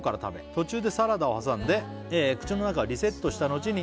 「途中でサラダを挟んで口の中をリセットした後に」